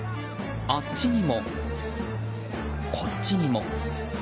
あっちにも、こっちにも。